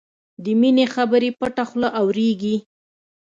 د مینې خبرې پټه خوله اورېږي